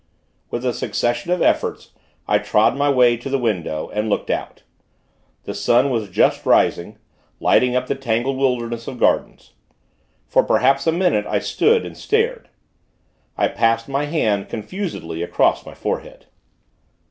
With a succession of efforts, I trod my way to the window, and looked out. The sun was just rising, lighting up the tangled wilderness of gardens. For, perhaps, a minute, I stood, and stared. I passed my hand, confusedly, across my forehead.